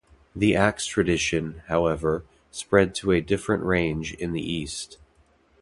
The axe tradition, however, spread to a different range in the east.